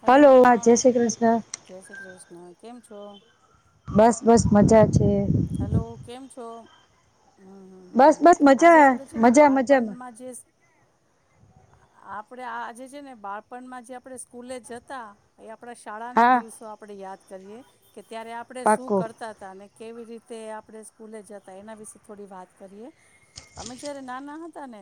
Hello hello હા જય શ્રી કૃષ્ણ જય શ્રી કૃષ્ણ. કેમ છો? બસ બસ મજા. છે હેલો કેમ છો? હમ હમ બસ હમ બસ મજા મજા મજા. આપડે આજે છે ને બાળપણમાં જે આપડે સ્કૂલે જતા એ. હા [inaudible] કરીએ. કે ત્યારે આપણે શું પાકો કરતા હતા અને કેવી રીતે તે આપણે સ્કૂલે જતા એના વિશે થોડી વાત કરીએ, અમે જયારે નાના હતા ને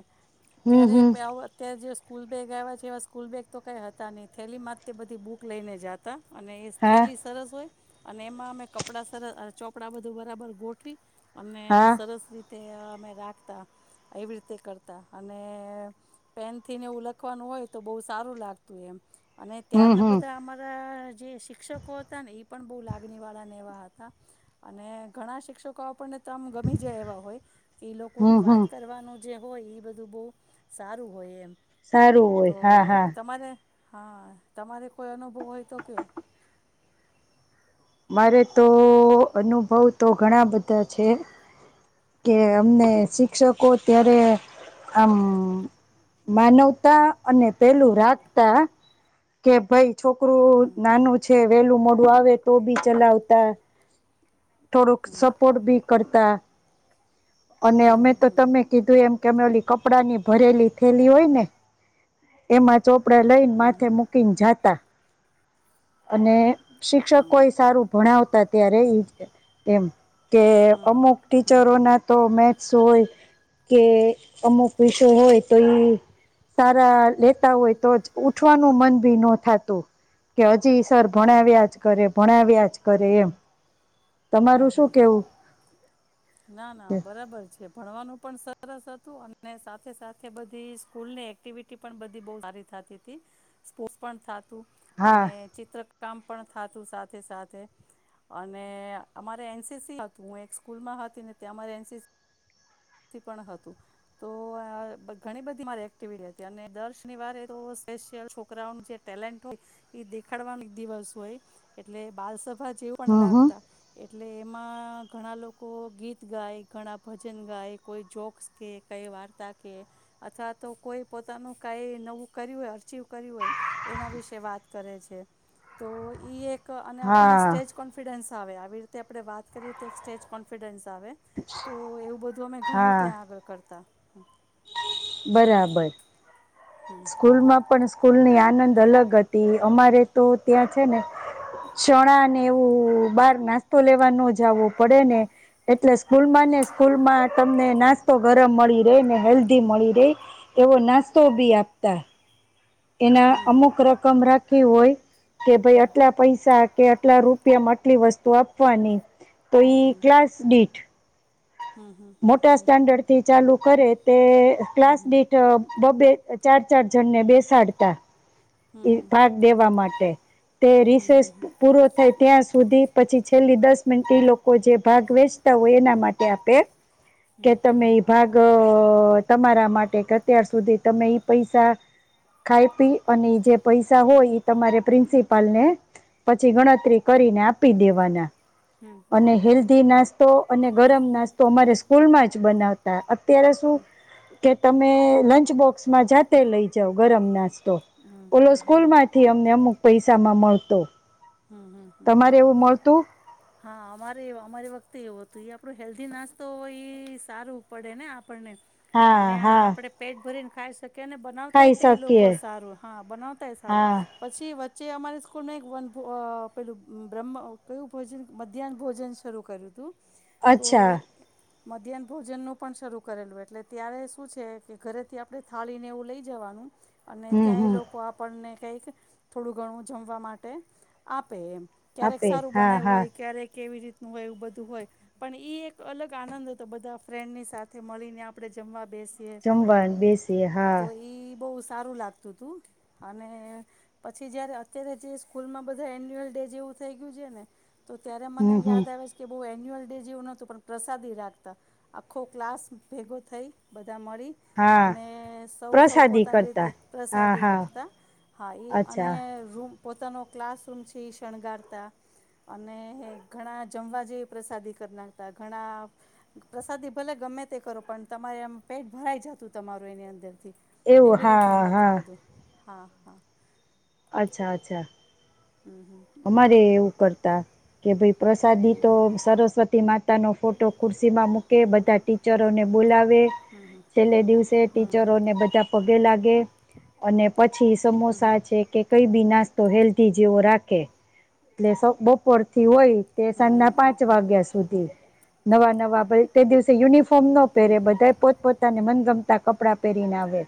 હમ ત્યારે [unintelligible] હમ અત્યારે જે સ્કૂલ બેગ આવ્યા જેવા સ્કૂલ બેગ તો કઈ હતા ની થેલીમાં જ તે બધી બુક લઈને જાતા. અને એ હા થેલી સરસ હોય. અને એમાં અમે કપડા સરસ અ ચોપડા બધા બરાબર ગોઠવી અને હા સરસ રી તે અમે રાખતા, એવી રીતે કરતા અને પેન થીને એવું લખવાનું હોય તો બહુ સારું લાગતું એમ અને હમ ત્યારના હમ બધા અમારા જે શિક્ષકો હતા ને એ પણ બહુ લાગણી વાળા ને એવા હતા. [inaudible] અને ઘણા શિક્ષકો આપણને ત એમ ગમી જાય એવા હોય, ઈ લોકો ને હમ હમ વાત કરવાનું જે હોય એ બધું બહુ સારું હોય એમ સારું હોય તો હા હા. તમારે હા તમારે કોઈ અનુભવ હોય તો કેઓ. મારે તો અનુભવ તો ઘણા બધા છે, કે અમને શિક્ષકો ત્યારે આમ માનવતા અને પેલું રાખતા કે ભાઈ છોકરું નાનું છે વેલું મોડું આવે તો બી ચલાવતા થોડુંક સપોર્ટ બી કરતા અને અમે તો તમે કીધું એમ કેમેલી કપડા ની ભરેલી થેલી હોય ને એમાં ચોપ કડા લઈને હમ માથે મૂકીને જાતા. અને શિક્ષકો એ સારું ભણાવતા જ તેયારેય એમ કે હમ અમુક હમ ટીચરો હમ ના તો મે સોંય કે અમુક વિષો હોય તો ઈ સારા લેતા હોય તો જ ઉઠવાનું મન ભી નો થાતું કે હજી જી સર ભણાવ્યા જ કરે ભણાવ્યા જ કરે એમ. તમારું શું હમ કેવું ના ના બરાબર છે ભણવાનું પણ સરસ હતું અને સાથે સાથે બધી સ્કૂલની એક્ટિવિટી પણ બધી બો સારી થતી ત હતી સ્પોર્ટ પણ થા હા અને ચિત્રકામ પણ થાતું સાથે સાથે અને અમારે એનસીસી હતું હું એક સ્કૂલ માં હતી ને ત્યાં મારે એનસીસી પણ હતું તો ઘણી બધી મારી એક્ટિવિટી હતી અને દર શનિવારે તો સ્પેશિયલ છોકરાઓ નું જે ટેલેન્ટ હોય એ દેખાડવાનું દિવસ હોય એટલે બાલ સ જેવું પણ હમ હમ રાખતા એટલે એમાં ઘણા લોકો ગીત ગાય ઘણા ભજન ગાય કોઈ જોક્સ કે કઈ વાર્તા કે અથવા તો કોઈ પોતાનું કઈ નવું કર્યું હોય અ કર્યું હોય એના વિશે વાત કરે છે તો ઈ એક અને આપણને હા સ્ટેજ કોન્ફિડન્સ આવે આવી રીતે આપણે વાત કરીએ તો એક સ્ટેજ કોન્ફિડન્સ લાવે તો એવું બધું અમે હું હા ત્યા આગળ તાં બરાબર સ્કૂલ માં પણ સ્કૂલની આનંદ અલગ હતી અમારે તો ત્યાં છે ને ચણા ને એવું બહાર નાસ્તો લેવા નો જાવો પડે ને એટલે સ્કૂલમાં ને સ્કૂલમાં તમને નાસ્તો ગરમ મળી રહે ને હેલ્ધી મળી રહેે એવો નાસ્તો બી આપતા. એના અમુક રકમ રાખ કે હોય કે ભાઈ આટલા પૈસા કે આટલા રૂપિયા માં આટલી વસ્તુ આપવાની તો એ ક્લાસ દીઠ હમ હમ હમ મોટા સ્ટાન્ડર્ડ થી ચાલુ ખરે તે હમ હમ ક્લાસમીટ બબે ચાર ચજણને બેસાડતા હમ હમ ભાગ દેવા માટે તે રિસર્ચ હમ પૂરો થાય ત્યાં સુધી પછી છેલ્લી દસ મિનિટ લોકો જે ભાગ વેચતા હોય એના માટે આપે કે હમ તમે હમ ભાગ અ તમારા માટે કે અત્યાર સુધી તમે ઈ પૈસા ખાઈ પી અને જે પૈસા હોય એ તમારે પ્રિન્સિપાલ ને પછી ગણતરી કરીને આપી દેવાના. હમ હમ હમ અને હેલ્ધી નાસ્ તો અને ગરમ નાસ્તો અમારે ફૂલમાં જ બનાવતા. તેરસો કે તમે લંચબોક્સમાં જાતે લઈ જાવ ગરમ નાશ તો હમ હમ હમ હમ ઓલો સ્કૂલ હમ માંથી અમને અમુક પૈસા મળતો હમ હમ હમ તમારે એવું મળતું હા અમારે અમારી વખતે એવું હતું એ આપણું હેલ્ધી નાસ્તો એ સારું પડે ને અપને હા અને હા આપણે પેટ ભરીને ખ શક કેને ખાઈ બનાવતાય તે લોકો શકીએ સારું હા બનાવતાય સારું હા પછી જે હમા સ્કૂલમાં એક વન પેલું બ્રહ્મ કયું ભોજન મધ્યાહન ભોજન શરૂ કર્યું હતું તો અચ્છા મધ્યાહન ભોજનનું પણ શરૂ કરેલું એટલે ત્યારે શું છે કે ઘરેથી આપણે થાળીને એવું લઈ જવાનું અને હમ ત્યાં એ હમ લોકો આપણને કઈક થોડું ઘણું જમવા માટે આપે અમ ક્યારેક આપે સારું હા બનાવું હા હોય ક્યારેક એવી રીતે હોય એવું બધું હોય પણ ઈ એ એક અલગ આનંદ હતો બધા ફ્રેન્ડની સાથે મળીને આપણે જમવા બેસી જમવાનું બેસીએ હા તો ઈ બો સારું લાગતું હતું, અને પછી જ્યારે અત્યારે જે સ્કૂલમાં બ એન્યુઅલ ડે જેવું થઇ ગયું છે ને. તો ત્યારે મને હમ હમ યાદ આવે કે બહુ એ એન્યુઅલ ડે જેવું નતું પણ પ્રસાદી રાખતા. આખો ક્લાસ ભેગો થઈ. બધા મળી, હા અને સૌ સૌ પ્રસાદી પોતાની રીતે કરતા હા પ્રસાદી હા કરતા. હા એ અને અચ્છા રૂમ પોતાનો ક્લાસ. [unintelligible] શણગારતા અને ઘણા જમવા જેવી પ્રસાદી કરી નાખતા. ઘણા પ્રસાદી ભલે ગમે તે કરો પણ તમારે આમ પેટ ભરાઈ જતું તમારું એની અંદરથી. એવું એવી રીતનું હા હતું હા બધું. હા હા. અચ્છા અચ્છા. હમ અમારે એવું કર. [unintelligible] ભાઈ પ્રસાદી તો હમ સરસ્વતી માતા. પોતાનો ફોટો ખુરશી માં મૂકે, બધા ટીચરોને બોલાવ. વે હમ હમ છેલ્લા દિવસે હમ ટીચરોને બધા પગે લાગે, અને પછી સમોસા છે કે કઈ બી નાસ્તો હેલ્ધી જેવો રાખે. રાખે એટલે બપોર થી હોય. તે સાજ હમ હમ ન પાંચ વાગ્યા સુધી. નવા નવા ભાઈ તે દિવસે યુનિફોર્મ ફોમ ન પહેરે બધાએ પોતપોતાને મનગમ તા કપડા પહેરીને આવે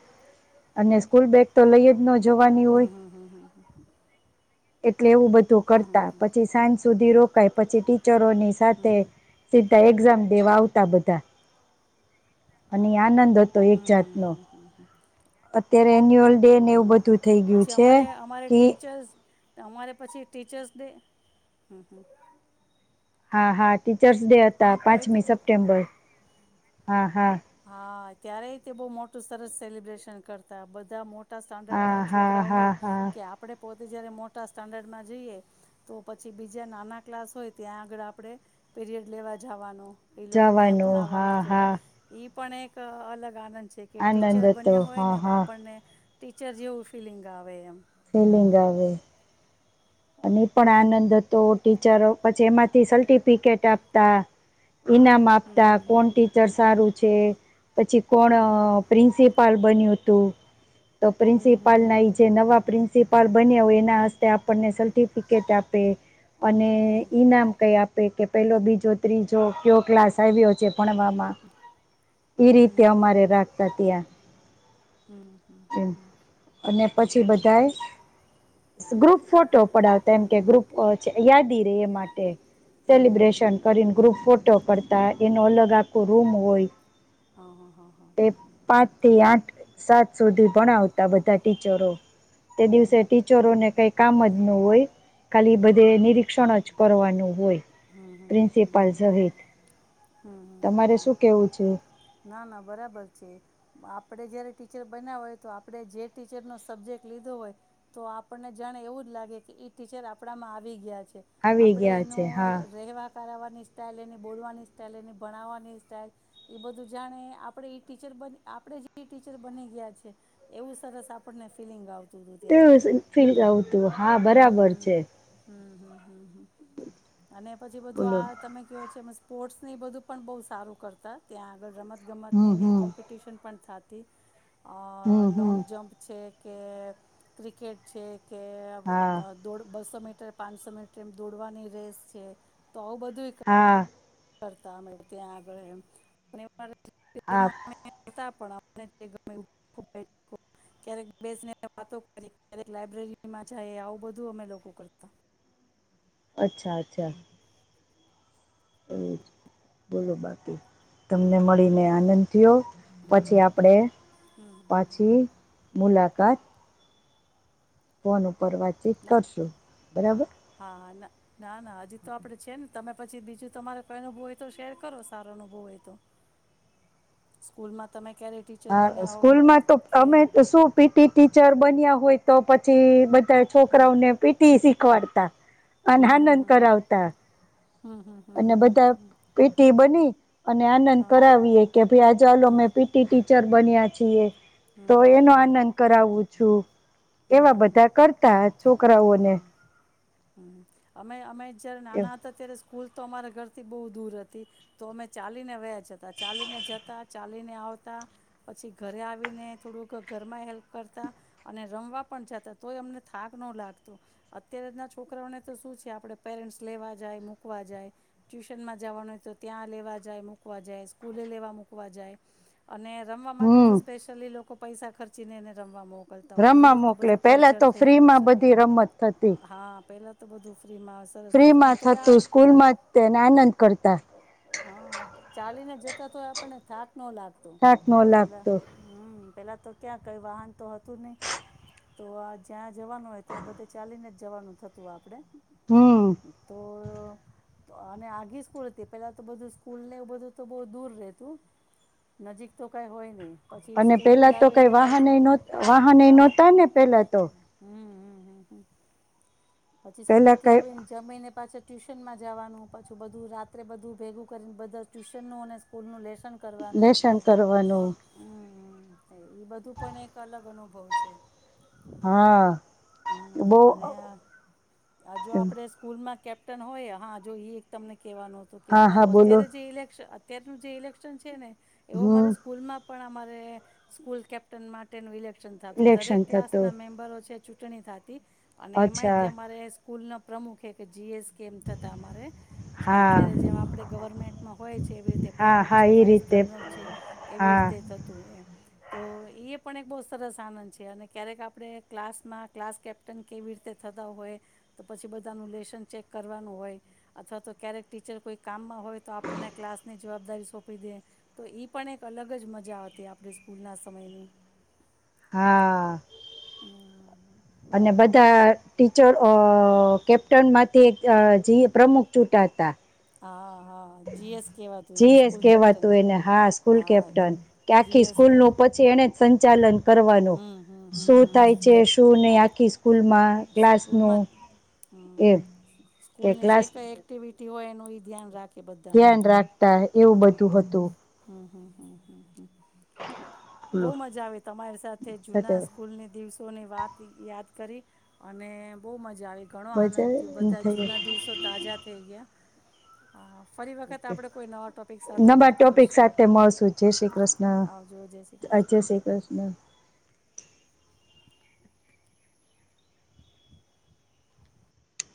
અને સ્કૂલ બેગ તો લઈ જ ન જવાની હમ્મ હોય હમ્મ હમ્મ. કેવું બધું કરતા, પછી સાંજ સુધી રો કાય પછી ટી [unintelligible] ની સાથે સીધા એક એક્ઝામ દેવા આવતા બધા. નાનંદ હતો હમ એક હમ જાતનો અત્યારે એન્યુઅલ ડે ને એવું હમ હમ બધું થઈ ગયું પછી છે અમારે અમારે કી ટીચર્સ અમારે પછી ટીચર્સ ડે હમ્મ હમ્મ. હા હા. ટીચર્સ ડે હા હતા કહી દો પાંચમી હા સપ્ટેમ્બર. હા હા. હા ત્યારે તે બહ મોટું સરસ સેલિબ્રેશન કરતા. બધા મો હા ટા [unintelligible] હા છોકરા હા હોય હા કે આપણે પોત ત જ્યારે મોટા સ્ટાન્ડર્ડમાં જઈએ તો પછી બીજા નાના ક્લાસ હોય ત્યાં આગળ આપણે પીરિયડ લેવા જવાનું. એ લોકોને જવાનું હા ભણાવવાના થોડા હા પણ એક અલગ આનંદ. જે કે ટીચર આનંદ હતો બન્યા હોય હા ને હા આપણને ટીચર જેવું ફિલિંગ આવે એમ. ફીલિંગ આવે. અને એ પણ આનંદ હતો. ટીચરો પછી એમાંથી સલટીફિકટ આપતા. ઈનામ હમ આપતા હમ હમ કોણ ટીચર સારું છે. પછી કોણ પ્રિન્સિપ પાલ બન્યું હતું. તો પ્રિન્સિપાલ હમ ના ઈ હમ જે નવા પ્રિન્સ સીપાલ બનીયા હોય એના હસ્તે આપ આપણને સલફિકેટ આપે. અને હમ ઈનામ કઈ આપ કે પેલો બીજો ત્રીજો કયો ક્લાસ આવ્યો છે. ભણવામાં એ હમ રીતે અમારે રાખતા ત્યાં. એમ અને પછી બધાએ હમ્મ. [unintelligible] ફોટો પડાવતા એમ કે ગ્રુપ યાદી રે એ માટે. હમ હમ હમ હમ સેલિબ્રેશન કરીને ગ્રુપ ફો તો કરતા એનો અલગ આખો રૂમ હોય. હ હ હ હ. તે પાંચ થી આઠ સાત સુધી ભણાવતા બધા ટીચરો. તે હમ દિવસે હમ ટીચરોને કઈક કામજ ન હોય. ખાલી હમ હમ બધે હમ નિરીક્ષણ જ કરવાનું હોય. હમ હમ હમ પ્રિન્સિપાલ હમ સહિત. હમ હમ હમ તમારે શું હમ કેવું છે? ના ના બરાબર છે આપણે જ્યારે ટીચર બન્યા હોય તો આપણે જે ટીચરનો સબ્જેક્ટ લીધો હોય તો આપણને જાણે એવું જ લાગે કે ઈ ટીચર આપણામાં આવી ગયા છે. આવી ગયા છે હા. [unintelligible] કરવાની સ્ટાઈલ એની બોલવાની સ્ટાઈલ એની ભણાવવાની સ્ટાઈલ એ બધું જાણે આપણે ઈ ટીચર બ આપણે જે ટીચર બની ગયા છે. એવું સરસ આપણને ફિલિંગ આવ [unintelligible] ફીલિંગ આવતું હા હમ બરાબર છે. હમ [inaudible] અને પછી બધું બોલો આ તમે કયો છે મસ પોર્ટસ એ બધું પણ બહુ સારું કરતા ત્યાં આગળ રમત ગમતને હમ એની હમ કોમ્પિટિશન પણ થા [inaudible] અ હમ લોંગ હમ જમ્પ છે કે ક્રિકેટ છે. કે અવ હા દોડ બસ સમ અત્તારે પાંનસો મીટર દોડવાની રેસ કે તો આવું બધું એક હા કરતા અમે ત્યાં આગળ એમ અને હા [unintelligible] ક્યારેક બેસીને વાતો કરીએ, લાયબ્રેરીમાં જાયે, આવું બધું અમે લોકો કરતા અચ્છા, અચ્છા. એ બોલો બાકી તમને મળીને આનંદ થયો, હમ પછી આપણેે પાછી મુલાકાત કોને પર વાતચીત ના કરશું, બરાબર? હા ના ના, ના, અજી તો આપણે છે ન તમે પછી બીજું તમારે કઈ અનુભ હોય તો શેર કરો સારો અનુભવ હોય તો, સ્કૂલમાં તમે ક્યારે ટીચર હા બન્યા હો સ્કૂલમાં તો કે અમે શું પીટી ટીચર બન્યા હોય તો પછી હમ છોકરાઓને ભીઠી વારતા અને હમ હમ આનંદ હમ કરાવતા હમ હમ હમ હમ અને હમ બધા હમ પી ટી બની અને આનંદ હા કરાવીએ કે ભાઈ આ ચાલો હમ મેં પીટી ટી બન્યા છીએ તો હમ હમ હમ એનો હમ આનંદ કરાવું છું હમ એવા હમ હમ બધા કરતા છોકરાઓને અમે અમે જ્યારે એમ નાના હતા ત્યારે સ્કૂલ તો અમારા ઘરથી બહુ દૂર હતી તો અમે ચાલીને વ્યાજતા ચાલીને જતા ચાલીને આવતા પછી ઘરે ને થોડુંક ઘરમાં હેલ્પ કરતા અને રમવા પણ જતા તોય અમને થાક ન લાગતો અત્યારે ના છોકરાને તો શું છે આપે પેરેન્ટ્સ લેવા જાય મૂકવા જાય ટ્યુશનમાં જવાનું હોય તો ત્યાં લેવા જાય મૂકવા જાય સ્કૂલે લેવા મૂકવા જાય અને રમવા માટે તો હમ ચલી લોકો પૈસા ખર્ચી ને એને રમવા મોકલતા હોય એવી રમા રીતનું મોકલે બધું પેલા કલ્ચર તો થઈ ફ્રી ગયું માં છે બધી રમત થતી હા પેલા તો બધું ફ્રીમાં સરસ ફ્રી અને માં તોય આ થતું સ્કૂલમાં જ તે ને આનંદ કરતા. હા ચાલીને જતા તો આપને થા ન લાગતો થાક ન પેલા લાગતો હમમ. પેલા તો ક્યાં કઈ વાહન તો હતું નહી તો આ જ્યાં જવાનું હોય ત્યાં બધે ચાલીને જવાનું થતું આપણે. હમ તો અને આખી સ્કૂલ હતી પેલા તો બધું સ્કૂલ ને એવું બધું તો બો દૂર રહેતું નજીક તો કઈ હોય નહીં. અને પેલા તો કઈ વાહને ય ન વાહને ય વાહ નહોતા ને પેલા તો હમ હમ હમ. પછી સ્કૂલ પેલા થી કઈ આવીને જમી ને પાછા ટ્યુશનમાં જવાનું પાછું બધું રાત બધું ભેગું કરીને બધા ટ્યુશન નું અને સ્કૂલ નું લેશન લેસન કરવાનું. હમ એ બધું પણ એક અલગ અનુભવ છે. હા બો હમ અને આ જો આપડે સ્કૂલમાં કેપ્ટન હોય હા જોઈ એ એક તમને કહેવાનું કે હા હા અમારું બોલો અત્યારે જે ઇલેક્શ ત્યારનું જે ઇલેક એવો અમારે હમ સ્કૂલમાં પણ અમારે સ્કૂલ કેપ્ટન માટેનું ઇલે ક્શન થાતુ, ઇલેક્શન દરેક થતું ક્લાસના મેમ્બરો છે જુ [unintelligible] ધી અને એમાંય અચ્છા તે અમારે સ્કૂલના પ્રમુખે કે જી એસ કેમ થતા અમારે હા અત્યારે જેમ આપડે ગવર્મેન્ટમાં હોય છે, એવી રીતે હા પ્રમુખ હા છે, એ વાઇસ રીતે પ્રમુખ છે, એવી હા રીતે થતું હોય એમ. તો એ પણ એક બહુ સરસ આનંદ છે અને ક્યારેક આપણે ક્લાસમાં ક્લાસ કેપ્ટન કેવી રીતે થતા હોય તો પછી બધાનું લેશન ચેક કરવાનું હોય અથવા તો ક્યારેક ટીચર કોઈ કામમાં હોય તો આપણને ક્લાસની જવાબદારી સોંપી દે, તો ઈ પણ એક અલગ જ મજા આવતી આપણે સ્કૂલના સમયની. હા. હમ અને બધા ટીચર અ કેપ્ટનમાંથી અ જી પ્રમુખ ચૂટાતા. હા. હા જીએસ કહેવાતું છે જી એસ સ્કૂલ કેવા કેપ્ટન તું એને હા સ્કૂલ હા કેપ્ટન કે આખી જીએસને સ્કૂલનું પછી એણે જ સંચાલન કરવાનું, હમ હમ હમ શું હમ થાય છે, શું નહી? આ કેસ સ્કૂલમાં એમ હ કે સ્કૂલની જે ક્લાસ કઈ એક્ટિવિટી હોય એ નુય ધ્યાન રાખે બધાનું ધ્યાન રાખતા એવું હમ બધું હમ હતું [inaudible] બહુ ઓલું મજા આવે તમારી સાથે જુના સ્કૂલની દિવસ સૌની વાત યાદ કરી અને બહુ મજા આવે ઘણો બજાર આનંદ થયો બધા થઈ જૂના દિવસો તાજા થઈ ગયા. અ ફરી વખત આપણે કોઈ નવા ટૉપિક સાથે નવા વાત ટોપિક કરશું સાથે મળશું જય શ્રી કૃષ્ણ આવજો જય શ્રી જય કૃષ્ણ શ્રી કૃષ્ણ